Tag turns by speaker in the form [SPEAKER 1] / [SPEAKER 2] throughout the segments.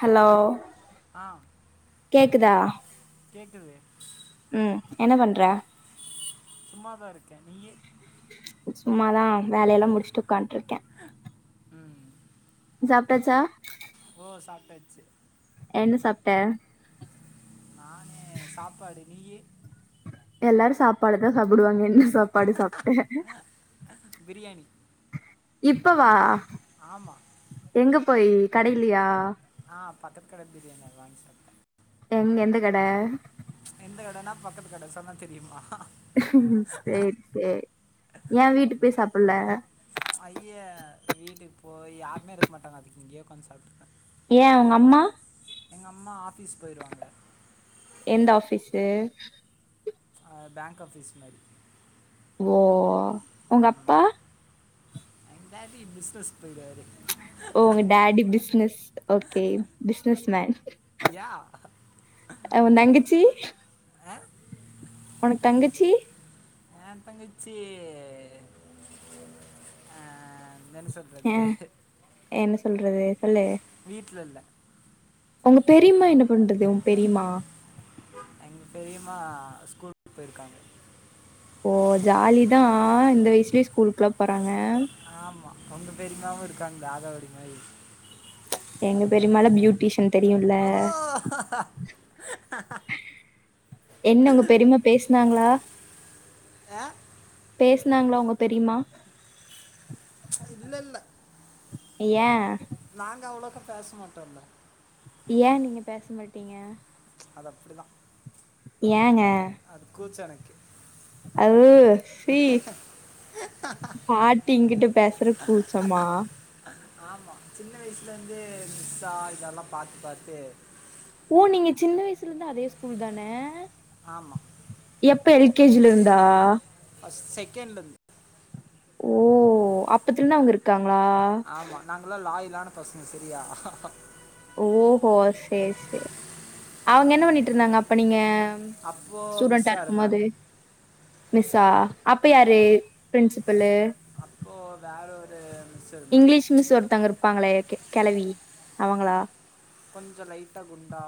[SPEAKER 1] Hello
[SPEAKER 2] ஆ
[SPEAKER 1] கேக்குதா
[SPEAKER 2] கேக்குது
[SPEAKER 1] ம் என்ன பண்ற
[SPEAKER 2] சும்மா தாருக்கே நீயு
[SPEAKER 1] சும்மா தா வேலயெல்லா முடிஷ்ட்டு உக்காண்ட்ருக்கே
[SPEAKER 2] ம்
[SPEAKER 1] நீ சாப்ட்டாச்சா
[SPEAKER 2] ஓ சாப்ட்டாச்சு
[SPEAKER 1] என்ன சாப்ட்ட
[SPEAKER 2] நானு சாப்பாடு நீயு
[SPEAKER 1] எல்லாரு சாப்பாடு தா சாப்டுவாங்க என்ன சாப்பாடு சாப்ட்ட
[SPEAKER 2] பிரியாணி
[SPEAKER 1] இப்பவா
[SPEAKER 2] ஆமா
[SPEAKER 1] எங்க போயி கடைலியா
[SPEAKER 2] ஆ பக்கத்க் கட பிரியாணி அத்வாங்கி சாப்ட்ட
[SPEAKER 1] எங் எந்த கட
[SPEAKER 2] எந்த கடன்னா பக்கத்து கட சொன்னா தெரியுமா
[SPEAKER 1] சேரி சேரி ஏ வீட்டுக் போய் சாப்புல்ல
[SPEAKER 2] அய்ய வீட்டுக்கு போய் யாருமே இருக்க மாட்டாங்க அதுக் இங்யே உக்காந் சாப்ட்ரு
[SPEAKER 1] ஏ உங்க அம்மா
[SPEAKER 2] எங்கம்மா ஆஃபீஸ் போய்ருவாங்க
[SPEAKER 1] எந்த ஆஃபீஸு
[SPEAKER 2] ஆ பாங்க் ஆஃபீஸ் மாரி
[SPEAKER 1] ஓ உங்க அப்பா
[SPEAKER 2] எங் டாடி பிஸ்னஸ்க் போய்டுவாரு
[SPEAKER 1] ஓ உங்க daddy business okay business man
[SPEAKER 2] யா
[SPEAKER 1] அ ஒந் தங்கச்சி
[SPEAKER 2] ஆ
[SPEAKER 1] ஒனக்‌ தங்கச்சி
[SPEAKER 2] ஏ தங்கச்சி ஆ என்னன்னு
[SPEAKER 1] அ
[SPEAKER 2] சொல்றது
[SPEAKER 1] என்ன சொல்றது சொல்லு
[SPEAKER 2] வீட்லல்ல
[SPEAKER 1] ஒங்க பெரிம்மா என்ன பண்றது ஒ பெரிம்மா
[SPEAKER 2] எங்க பெரியம்மா ஸ்கூல்க்கு போயிருக்காங்க
[SPEAKER 1] ஓ ஜாலி தா இந்த வயசுலே ஸ்கூலுக்லா போறாங்க
[SPEAKER 2] ஆமா உங்க பெரிமாவு இருக்காங்கள ஆடாவடி மாரி
[SPEAKER 1] எங்க பெரிமாலா பியூ டிஷன் தெரியுல
[SPEAKER 2] ஓ
[SPEAKER 1] என்ன உங்க பெரிமா பேசுனாங்ளா
[SPEAKER 2] அ
[SPEAKER 1] பேஸ்னாங்ளா உங்க பெரிமா
[SPEAKER 2] இல்லல்ல
[SPEAKER 1] ஏ
[SPEAKER 2] நாங்க அவ்ளோக்க பேச மாட்டோல்ல
[SPEAKER 1] ஏ நீங்க பேச மாட்டீங்க
[SPEAKER 2] அது அப்டி தா
[SPEAKER 1] ஏங்க
[SPEAKER 2] அது கூச்ச எணக்கு
[SPEAKER 1] அது சி பாட்டிங்கிட்ட பேசுறது கூச்சமா
[SPEAKER 2] ஆமா சின்ன வயசுலருந்தே மிஸா இதெல்லா பாத்து பாத்து
[SPEAKER 1] ஓ நீங்க சின்ன வயசுல இருந்தே அதே ஸ்கூல் தானே
[SPEAKER 2] ஆமா
[SPEAKER 1] எப்ப எல் கே ஜில இருந்தா
[SPEAKER 2] பர்ஸ் செகண்ட்லந்து
[SPEAKER 1] ஓ அப்பத்துல அவங்க இருக்காங்ளா
[SPEAKER 2] ஆமா நாங்கல்லா லாயலான பசங்க செரியா
[SPEAKER 1] ஓகோ செர் செர் அவங்க என்ன பண்ணிட்டு இருந்தாங்க அப்ப நீங்க
[SPEAKER 2] அப்போது
[SPEAKER 1] ஸ்டுடென்ட் அ
[SPEAKER 2] மிஸ்ஸாக
[SPEAKER 1] இருக்கு போது
[SPEAKER 2] இருந்தாங்க
[SPEAKER 1] மிஸ்ஸா அப்ப யாரு பிரின்சிபலு
[SPEAKER 2] அப்போ வேற ஒரு மிஸ் இருந்தாங்க
[SPEAKER 1] இங்கிலிஷ் மிஸ் ஒருத்தங்க இருப்பங்களே கெளவி அவங்களா
[SPEAKER 2] கொஞ்சோ லைட்டா குண்டா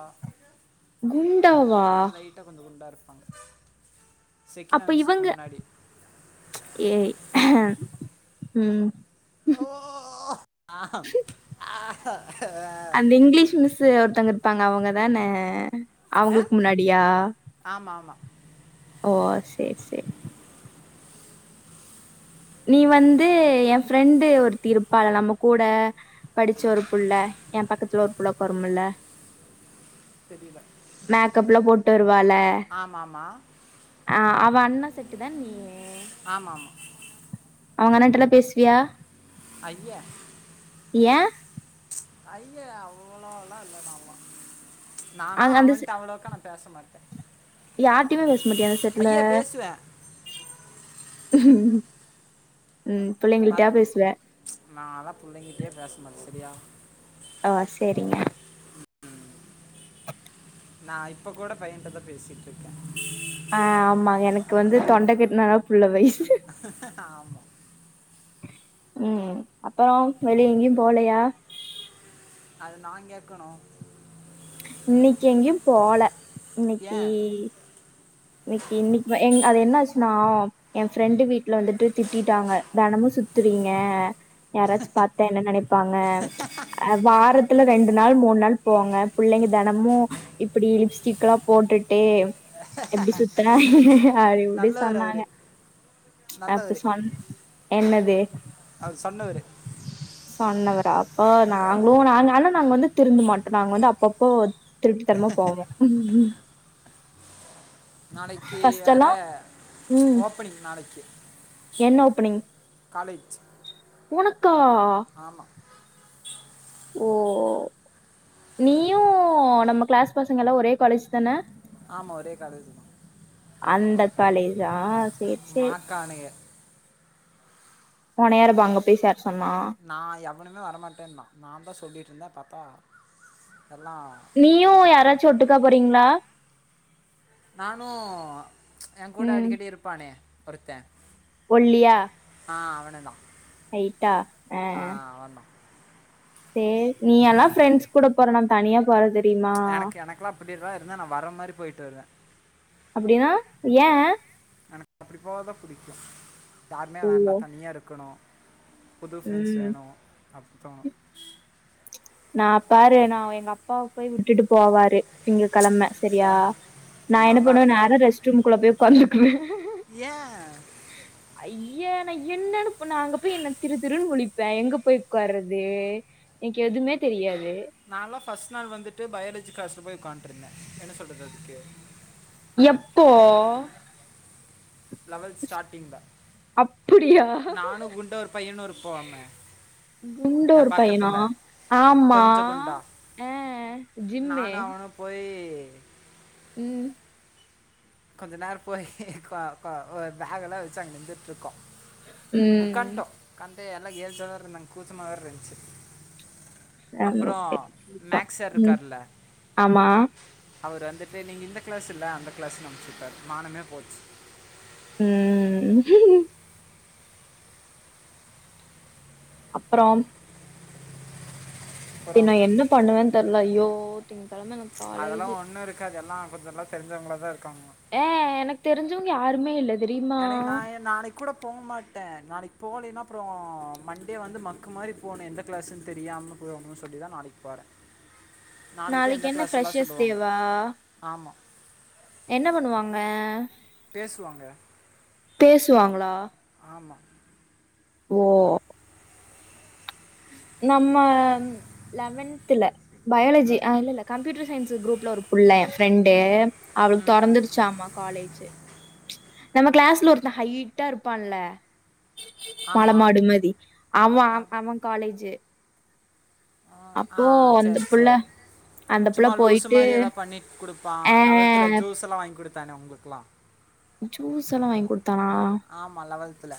[SPEAKER 1] குண்டாவா
[SPEAKER 2] ட்டா கொஞ்சோ குண்டா இருப்பாங்க செக்கினா
[SPEAKER 1] அப்ப
[SPEAKER 2] மிஸ்ஸுக்கு
[SPEAKER 1] இவங்க
[SPEAKER 2] முன்னாடி
[SPEAKER 1] ஏய் ம்
[SPEAKER 2] ஓ ஆ ஆ ஆ
[SPEAKER 1] அந்த இங்கிலீஷ் மிஸ்ஸு ஒருத்தங்க இருப்பாங்க அவங்கதான அவுங்களுக் முன்னாடியா
[SPEAKER 2] ஆமாம் ஆமாம்
[SPEAKER 1] ஓ செர் செரி நீ வந்து ஏ ஃப்ரெண்டு ஒருத்தி இருப்பாள நம்ம கூட படுச்ச ஒரு புள்ள ஏ பக்கத்துல ஒரு புள்ள ஒக்காரும்முல்ல
[SPEAKER 2] தெரியல
[SPEAKER 1] மேக்கப்லா போட்டு வருவாள
[SPEAKER 2] ஆமாம் ஆமாம்
[SPEAKER 1] அ அவன் அண்ண செட்டுதான நீ
[SPEAKER 2] ஆமா ஆமா
[SPEAKER 1] அவங்க அண்ணன்டெல்லா பேசுவியா
[SPEAKER 2] அய்ய
[SPEAKER 1] ஏ
[SPEAKER 2] ஐய அவ்ளோல்லா இல்ல ஆமா நானா
[SPEAKER 1] அங்க அந்த செ
[SPEAKER 2] அவன்ட்ட அவ்ளோக்கா பேசமாட்டே
[SPEAKER 1] யார்ட்டையுமே பேச மாட்டிய அந்த செட்ல
[SPEAKER 2] பேசுவேன்
[SPEAKER 1] ம் பிள்ளைங்கள்ட்டயா பேசுவ
[SPEAKER 2] நாலா புள்ளைங்கிட்டயே பேச மாட்டே சரியா
[SPEAKER 1] ஆ செரிங்க
[SPEAKER 2] நா இப்ப கூட பையன்ட்டுதா பேசிட்ருக்கே
[SPEAKER 1] ஆ ஆமா எனக்கு வந்து தொண்ட கட்னாதா புள்ள வயசு
[SPEAKER 2] ஆமா
[SPEAKER 1] ம் அப்புறம் வெளிய எங்கியும் போலையா
[SPEAKER 2] அது நா கேக்கனும்
[SPEAKER 1] இன்னிக்கி எங்கியும் போல இன்னிக்கி
[SPEAKER 2] ஏன்
[SPEAKER 1] இன்னிக்கி இன்னிக் எங் அது என்னாச்சினா என் ஃப்ரண்டு வீட்ல வந்துட்டு திட்டிட்டாங்க தெனமும் சுத்துறீங்க யாராச்சி பாத்தா என்ன நெனப்பாங்க வாரத் துல ரெண்டு நாள் மூணு நாள் போவங்க புள்ளைங்க தெனமும் இப்டி லிப்ஸ்டிக்கல்லாம் போட்டுட்டு எப்டி சுத்தனா அப்டி இப்டி
[SPEAKER 2] நல்லவர் அவர்
[SPEAKER 1] சொன்னாங்க அப்ப சொன் என்னாது
[SPEAKER 2] அது சொன்னவரு
[SPEAKER 1] சொன்னவரா ஆ நாங்களும் நாங்க ஆனா நாங்க வந்து திருந்து மாட்டோம் நாங்க வந்து அப்பப்போ திருட்டுதனமா போவோம்
[SPEAKER 2] நாளைக்கி வேற
[SPEAKER 1] ம்
[SPEAKER 2] ஓப்பனிங் நாளைக்கி
[SPEAKER 1] என்ன ஓப்பனிங்
[SPEAKER 2] காலேஜ்
[SPEAKER 1] உனக்கா
[SPEAKER 2] ஆமா
[SPEAKER 1] ஓ நீயும் நம்ம கிளாஸ் பசங்கல்லா ஒரே காலேஜி தான
[SPEAKER 2] ஆமா ஒரே காலேஜிதா
[SPEAKER 1] அந்த காலேஜா சேரி சேரி
[SPEAKER 2] மாக்கானையர்
[SPEAKER 1] ஒனையாரு இப்ப அங்க பேசி சேர சொன்னா
[SPEAKER 2] நா எவனுமே வரமாட்டேன்னா நான்தா சொல்லட்டிருந்த பாத்தா எல்லா
[SPEAKER 1] நீயும் யாராச்சிம் ஒட்டுக்கா போறீங்ளா
[SPEAKER 2] நானும் என் கூட
[SPEAKER 1] ம்
[SPEAKER 2] அடிக்கடி இருப்பானே ஒருத்தன்
[SPEAKER 1] ஒல்லியா
[SPEAKER 2] ஆ அவனதா
[SPEAKER 1] ஹைட்டா ஆ
[SPEAKER 2] அவன்தா
[SPEAKER 1] சேரி நீயெல்லா ஃப்ரெண்ட்ஸ் கூட போற நா தனியா போறது
[SPEAKER 2] எனக்கு எனக்குல்லா அப்டிலா இருந்தா நா வர மாரி போய்ட்டு வருவ
[SPEAKER 1] அப்டினா ஏ
[SPEAKER 2] எனக்கு அப்டி போகதா புடிக்கும் யாருமே
[SPEAKER 1] ஓ
[SPEAKER 2] வேண்டா தனியா இருக்கணும் புது ஃப்ரெண்ட்ஸ்
[SPEAKER 1] ம்
[SPEAKER 2] வேணும் அப்புறம்
[SPEAKER 1] நா பாரு நா எங்க அப்பாவ போயி விட்டுட்டு போவாரு திங்ககெழம சரியா
[SPEAKER 2] சார்
[SPEAKER 1] நா
[SPEAKER 2] இந்த
[SPEAKER 1] என்ன
[SPEAKER 2] மாதிரிலாம்
[SPEAKER 1] பண்ணுவே
[SPEAKER 2] இருந்தான்
[SPEAKER 1] நாலா ரெஸ்ட் ரூம்க்குள்ள போயி உக்காந்துக்குவ
[SPEAKER 2] யா
[SPEAKER 1] ஐயே நா என்னான்னு நா அங்க போயி என்ன திரு திருன்னு முளிப் பன் எங்க போயி உக்காறது எனக்கு எதுமே தெரியாது
[SPEAKER 2] நாலாம் ஃபஸ்ட் நாள் வந்துட்டு பயோலஜி கிளாஸ்ல போயி உக்கான்ட்டுருந்த என்ன சொல்றது அதுக்கு
[SPEAKER 1] எப்போ
[SPEAKER 2] லவல்த் ஸ்டாட்டிங்தா
[SPEAKER 1] அப்படியா
[SPEAKER 2] நானும் குண்டா ஒரு பையனும் இருப்போமே
[SPEAKER 1] குண்டா ஒரு பையனா ஆமா
[SPEAKER 2] கொஞ்சம் குண்டா
[SPEAKER 1] ஆ ஜிம்மு
[SPEAKER 2] பொய்
[SPEAKER 1] ம்
[SPEAKER 2] கொஞ்ச நேரொ போய் கொ கொ ஒரு பேக்கெலா வச்சு அங்க நின்னுட்ருக்கோ
[SPEAKER 1] ம்
[SPEAKER 2] ஒக்கான்ட்டோ ஒக்காந்து எல்லா கேல்ஸாதா இருந்தாங்க கூச்சமா வேர் இர்ந்ச்சி
[SPEAKER 1] ஆமா,
[SPEAKER 2] அப்பறொ
[SPEAKER 1] சரி, புதுசா.
[SPEAKER 2] மேக்ஸ் சார்
[SPEAKER 1] ம்,
[SPEAKER 2] இருக்கார்ல
[SPEAKER 1] ஆமா
[SPEAKER 2] அவரு வந்துட்டு நீங்க இந்த க்ளாஸ் இல்ல அந்த க்ளாஸ்னு அம்ச்சுட்டாரு மானமே போச்சு
[SPEAKER 1] ம் அப்றோம் ஏ
[SPEAKER 2] அப்புறம்
[SPEAKER 1] நா என்ன பண்ணுவன் தெர்ல ஐயோ திங் கெழம
[SPEAKER 2] அதல்லா ஒண்ணு இருக்காது எல்லா கொஞ்சொ எல்லா தெரிஞ்சவங்களாதா இருக்காங்ளா
[SPEAKER 1] ஏ எனக் தெரிஞ்சவங்க யாருமே இல்ல தெரியுமா
[SPEAKER 2] எனக் நா எ நாளைக் கூட போ மாட்ட நாளைக் போலேன்னா அப்றோ மண்டே வந்து மக்கு மாறி போணு எந்த க்ளாஸுன் தெரியாம [unintelligible] சொல்லிதா நாளைக் போற
[SPEAKER 1] நாளைக் என்ன ப்ரெஷஸ் டேவா
[SPEAKER 2] ஆமா
[SPEAKER 1] என்ன பண்ணுவாங்க
[SPEAKER 2] பேசுவாங்க
[SPEAKER 1] பேசுவாங்களா
[SPEAKER 2] ஆமா
[SPEAKER 1] ஓ நம்ம லெவன்த்துல பயாலஜி
[SPEAKER 2] ம்
[SPEAKER 1] ஆ இல்ல இல்ல கம்ப்யூட்டர் சயின்ஸு க்ரூப்ல ஒரு புள்ள ஏ ஃப்ரெண்டு அவளுக்கு
[SPEAKER 2] ம்
[SPEAKER 1] தொறந்துரு ச்சாமா காலேஜு நம்ம க்ளாஸ்ல ஒருத்த ஹைட்டா இருப்பான்ல
[SPEAKER 2] ஆமாம்
[SPEAKER 1] மலமாடுமதி அவ
[SPEAKER 2] ஆ
[SPEAKER 1] அவ காலேஜு
[SPEAKER 2] ஆ ஆ சேர் சேர்
[SPEAKER 1] அந்த புள்ள
[SPEAKER 2] சும்மா லூஸு
[SPEAKER 1] போயிட்டு
[SPEAKER 2] மாறி ஏதாவ் பண்ணி குடுப்பா
[SPEAKER 1] ஆ
[SPEAKER 2] லெவல்த்துல ஜூஸெல்லா வாய்ங்க் குடுத்தானே உங்களுக்லா
[SPEAKER 1] ஜூஸல்லா வாய்ங்க் குடுத்தானா
[SPEAKER 2] ஆமா லவல்த்துல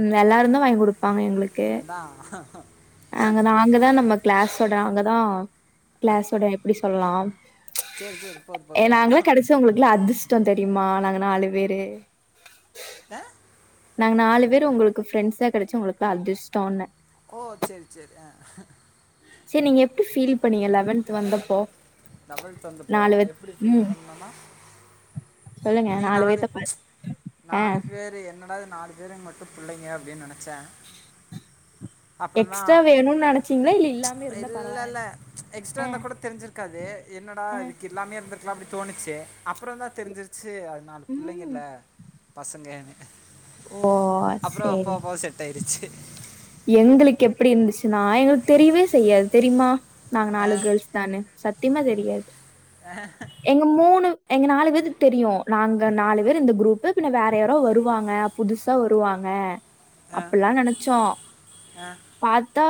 [SPEAKER 1] ம் எல்லாருந்தா வாய்ங்க் குடுப்பாங்க எங்களுக்கு
[SPEAKER 2] தா
[SPEAKER 1] அங்க நாங்கதா நம்ம க்ளாஸோட நாங்கதா க்ளாஸோட எப்டி சொல்லலா
[SPEAKER 2] சேரி சேரி போது போது
[SPEAKER 1] து உங்களுக்குலா அதிர்ஷ்ட தெரியுமா நாங்க நாலு பேரு
[SPEAKER 2] ஆ
[SPEAKER 1] நாங்க நாலு பேரு உங்களுக்கு பிரெண்ட்ஸா கெடைச்சி உங்களுக்குதா அதிஷ்டோன்ன
[SPEAKER 2] ஓ சேரி சேரி ஆ
[SPEAKER 1] சேரி நீங்க எப்டி ஃபீல் பண்ணீங்க லெவன்த் வந்தப்போ
[SPEAKER 2] வெவன்த் வந்தப்போவா
[SPEAKER 1] பேத்
[SPEAKER 2] எப்டி ஃபீல்
[SPEAKER 1] ம்.
[SPEAKER 2] பண்ணனா
[SPEAKER 1] சொல்லுங்க
[SPEAKER 2] நீங்க நாலு
[SPEAKER 1] பேத்த பாத் ஆ.
[SPEAKER 2] நாலு பேரு என்னடா இது நாலு பேருங்க மட்டு புள்ளைங்க அப்டின்னு நெனைச்ச
[SPEAKER 1] [inaudible]
[SPEAKER 2] அப்றொந்தா
[SPEAKER 1] எக்ஸ்ட்ரா வேணும்னு நெனச்சீங்களா? இல்ல இல்லாம இருந்தா
[SPEAKER 2] இல்ல
[SPEAKER 1] பரவால்லன்னு
[SPEAKER 2] இல்ல
[SPEAKER 1] நெனச்சு
[SPEAKER 2] எக்ஸ்ட்ரா
[SPEAKER 1] ஆ,
[SPEAKER 2] இருந்தாக் கூட தெரிஞ்சிர்க்கா தே என்னடா
[SPEAKER 1] ஆ,
[SPEAKER 2] விக்கி இல்லாமயே இருந்துர்க்லா அப்டி தோணுச்சு அப்றொந்தா தெரிஞ்சிருச்சு அ நாலு
[SPEAKER 1] ம்.
[SPEAKER 2] புள்ளைங்கல்ல பசங்க
[SPEAKER 1] ஓ!
[SPEAKER 2] அப்றோ போப்போ செட் டாய்ருச்சி
[SPEAKER 1] எங்களுக் எப்டி இருந்துச்சுன்னா எங்களுக் தெரியவே செய்யாது தெரிமா நாங்க
[SPEAKER 2] ஆ
[SPEAKER 1] நாலு கேள்ஸ் தானு சத்தியமா தெரியாது
[SPEAKER 2] ஆ
[SPEAKER 1] எங்க மூணு எங்க நாலு பேத்துக்கு தெரியு நாங்க நாலு பேரு இந்த குரூப் பின்ன வேற யாரோ வருவாங்க புதுசா வருவாங்க
[SPEAKER 2] ஆ
[SPEAKER 1] அப்டில்லா நெனச்சோ
[SPEAKER 2] ஆ
[SPEAKER 1] பாத்தா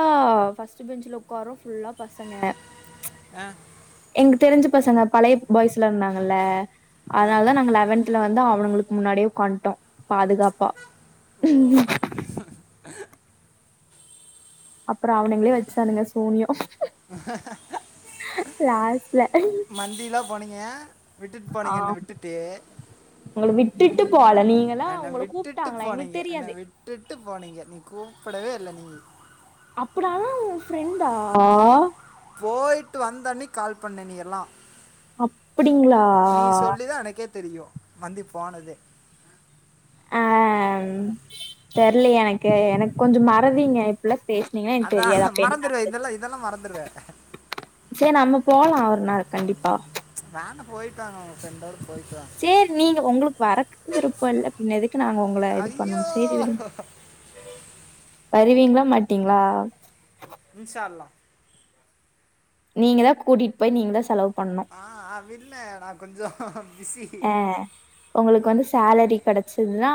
[SPEAKER 1] ஃபர்ஸ்ட் பெஞ்சுல உக்கார்றோ ஃபுல்லா பசங்க
[SPEAKER 2] ஆ
[SPEAKER 1] எங்க தெரிஞ்ச பசங்க பழைய பாய்ஸ் எல்லா இருந்தாங்கல்ல
[SPEAKER 2] ஆ
[SPEAKER 1] அதனாலதா நாங்க லெவன் த்துல வந்து அவனுங்களுக்கு முன்னாடியே உக்காந்துட்டோ பாதுகாப்பா
[SPEAKER 2] ஓ
[SPEAKER 1] அப்பறோ அவனுங்களே வச்சுச்சானுங்க சூனியம் லாஸ்ட்ல
[SPEAKER 2] மந்திலா போனீங்க விட்டுட்டு
[SPEAKER 1] ஆ
[SPEAKER 2] போனீங்க என்ன விட்டுட்டு
[SPEAKER 1] உங்கள விட்டுட்டு போவல நீங்க எல்லா உங்கள கூப்ட்டாங்களா எங்களுக்கு தெரி
[SPEAKER 2] என்ன விட்டுட்டு போனீங்க நீ கூப்டவே இல்ல நீ
[SPEAKER 1] அப்ப நான்லா உன் ஃப்ரெண்டா
[SPEAKER 2] போயிட்டு வந்தன்னைக்கி கால் பண்ண நீ எல்லா
[SPEAKER 1] அப்பிடிங்களா?
[SPEAKER 2] நீ சொல்லிதா எனக்கே தெரியு மந்தி போனதே
[SPEAKER 1] ஆ தெரிலயே எனக்கு கொஞ்சோ மறதிங்க இப்டில்லா பேசுனீங்கன்னா எனக்கு
[SPEAKER 2] அதான்
[SPEAKER 1] தெரியாது அப்ப என்ன
[SPEAKER 2] மறந்துடுவேன்
[SPEAKER 1] நடந்துச்சு
[SPEAKER 2] இதெல்லாம் இதெல்லாம் மறந்துடுவேன்
[SPEAKER 1] சேரி நம்ம போலா ஒரு நாள் கண்டிப்பா
[SPEAKER 2] வேண்டா போய்ட்டு வாங்க உங்க ஃப்ரெண்டோட
[SPEAKER 1] சேரி நீங்க உங்களுக்கு வரக்கு விருப்ப இல்ல பின்ன எதுக்கு நாங்க உங்கள இது
[SPEAKER 2] ஐயோ
[SPEAKER 1] பண்ணணு சேரி விடுங்க வருவீங்ளா மாட்டீங்ளா
[SPEAKER 2] இன்ஷா அல்லா
[SPEAKER 1] நீங்கதா கூட்டிட்டு போய் நீங்கதா செலவு பண்ணு
[SPEAKER 2] ஆ இல்ல நா கொஞ்சோ பிஸி
[SPEAKER 1] அ உங்களுக்கு வந்து சேலரி கெடச்சதுன்னா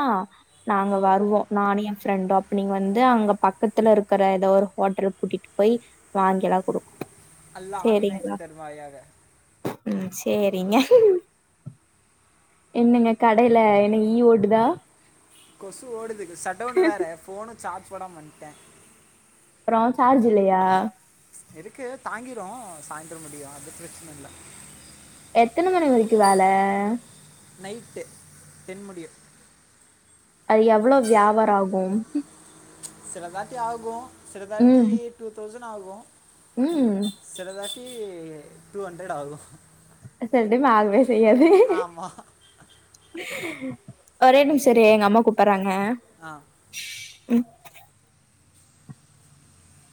[SPEAKER 1] நாங்க
[SPEAKER 2] ஓ
[SPEAKER 1] வருவோ நானு எ ஃப்ரெண்டு அப்ப நீங்க வந்து அங்க பக்கத்துல இருக்கிற ஏதோ ஒரு ஹோட்டல கூட்டிட்டு போய் வாங்கி எல்லா குடுக்
[SPEAKER 2] அல்லா அமினா சர்மாயாக
[SPEAKER 1] ம் சேரிங்க என்னங்க கடையில என்ன ஈ ஓட்டுதா
[SPEAKER 2] கொசு ஓடுதுக்கு சட்டவுனு வேற போனு சார்ஜ் போடாம வந்துட்ட
[SPEAKER 1] அப்புறம் சார்ஜ் இல்லையா
[SPEAKER 2] இருக்கு தாங்கிரும் சாய்ந்திரம் முடியும் அது பிரச்சன இல்ல
[SPEAKER 1] எத்தன மணி வரைக்கும் வேல
[SPEAKER 2] நைட்டு டென் முடியும்
[SPEAKER 1] அது எவ்ளோ வியாபாரம் ஆகும்
[SPEAKER 2] சிலதாட்டி ஆகும் சிலதாட்டி
[SPEAKER 1] ம்
[SPEAKER 2] டூ தௌசண்ட் ஆகும்
[SPEAKER 1] ம்
[SPEAKER 2] சிலதாட்டி டூ ஹண்ட்ரட் ஆகும்
[SPEAKER 1] சில டைம் ஆகவே செய்யாது
[SPEAKER 2] ஆமாம்
[SPEAKER 1] ஒரே நிமிஷ இரு எங்க அம்மா கூப்பட்றாங்க
[SPEAKER 2] ஆ
[SPEAKER 1] ம்